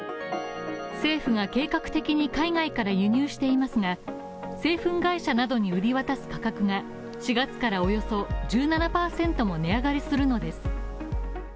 政府が計画的に海外から輸入していますが製粉会社などに売り渡す価格が４月からおよそ１７％も値上がりするのです。